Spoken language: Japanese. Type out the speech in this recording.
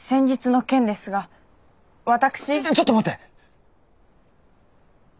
ちょっと待って！